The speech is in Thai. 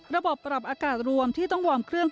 ปรับอากาศรวมที่ต้องวอร์มเครื่อง